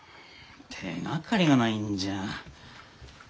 手がかりがないんじゃ。